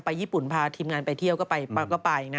ญี่ปุ่นพาทีมงานไปเที่ยวก็ไปก็ไปนะ